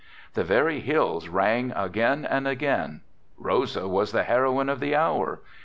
The very hills rang again and again. Rosa was the heroine of the hour.